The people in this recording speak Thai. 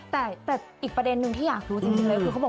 แต่อีกประเด็นหนึ่งที่อยากรู้จริงเลย